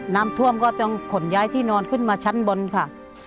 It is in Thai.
น้ำท่วมก็ต้องขนย้ายที่นอนขึ้นมาชั้นบนค่ะ